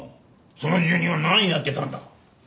その住人は何やってたんだ？